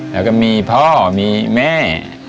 แล้วก็มีพ่อมีแม่